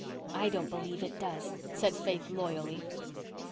"I don't believe it does," said Faith loyally.